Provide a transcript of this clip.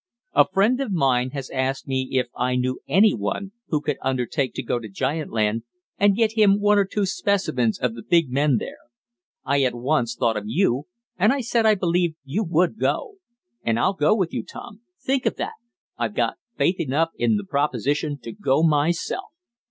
"A friend of mine has asked me if I knew any one who could undertake to go to giant land, and get him one or two specimens of the big men there. I at once thought of you, and I said I believed you would go. And I'll go with you, Tom! Think of that! I've got faith enough in the proposition to go myself!"